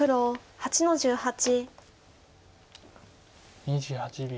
２８秒。